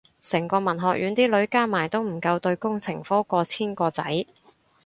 成個文學院啲女加埋都唔夠對工程科過千個仔